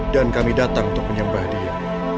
dan kami datang untuk menyembah dia